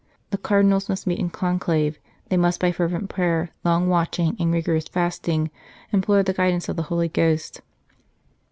The Cardinals must meet in conclave ; they A Nest of Saints must by fervent prayer, long watching, and rigorous fasting, implore the guidance of the Holy Ghost.